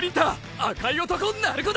赤い男鳴子だ！！